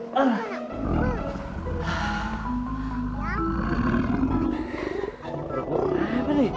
perbuk apa nih